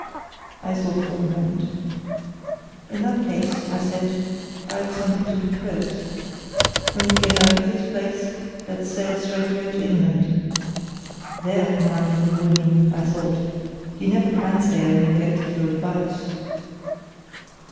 I thought for a moment. "In that case," I said, "I've something to propose. When we get out of this place let's sail straight away to England." "(There, Commander von Brüning," I thought, "you never can say I neglected your advice.")